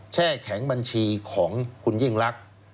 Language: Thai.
แช่แข็งบัญชีของคุณยิ่งรัก